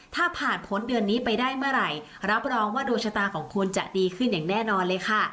ถ้าผ่านพ้นเดือนนี้ไปได้เมื่อไหร่รับรองว่าดวงชะตาของคุณจะดีขึ้นอย่างแน่นอนเลยค่ะ